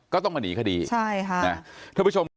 ก็ต้องมาหนีคดีนะทุกผู้ชม